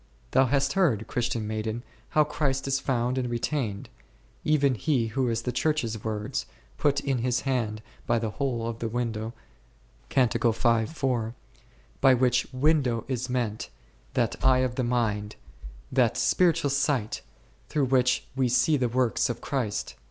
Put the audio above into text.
Thou hast heard, Christian maiden, how Christ is found and retained ; even He who in the Church's words, put in His hand by the hole of the window m ; by which window is meant, that eye of the mind, that i Cant. iii. 4. ™ Cant. tf. 4. o : o a o 36 spiritual sight, through which we see the works of Christ.